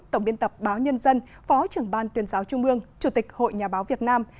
tổng biên tập báo nhân dân phó trưởng ban tuyên giáo trung mương chủ tịch hội nhà báo việt nam